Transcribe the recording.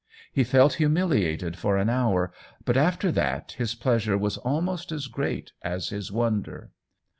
He felt humiliated for an hour, but after that his pleasure was almost as great as his wonder.